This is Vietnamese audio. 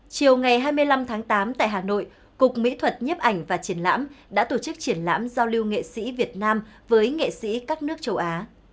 chiều ngày hai mươi năm tháng tám tại hà nội cục mỹ thuật nhếp ảnh và triển lãm đã tổ chức triển lãm giao lưu nghệ sĩ việt nam với nghệ sĩ các nước châu á